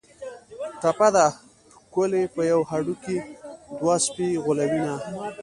ټپه ده: ښکلي په یوه هډوکي دوه سپي غولوینه